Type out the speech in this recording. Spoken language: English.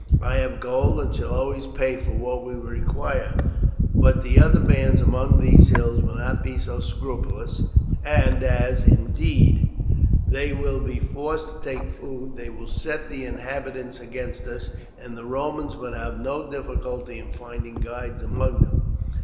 I have gold, and shall always pay for what we require; but the other bands among these hills will not be so scrupulous, and as, indeed, they will be forced to take food, they will set the inhabitants against us, and the Romans will have no difficulty in finding guides among them.